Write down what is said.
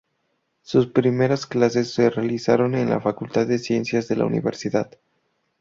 Sus primeras clases se realizaron en la facultad de Ciencias de la Universidad.